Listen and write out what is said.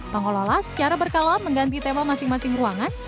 pengelola secara berkala mengganti tema masing masing ruangan